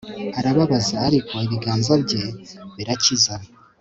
arababaza, ariko ibiganza bye birakiza